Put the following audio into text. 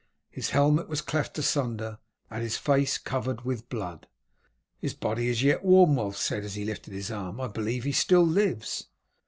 His helmet was cleft asunder, and his face covered with blood. "His body is yet warm," Wulf said, as he lifted his arm. "I believe he still lives."